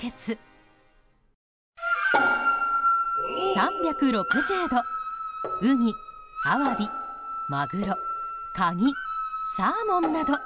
３６０度、ウニ、アワビマグロ、カニ、サーモンなど！